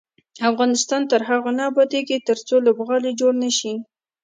افغانستان تر هغو نه ابادیږي، ترڅو لوبغالي جوړ نشي.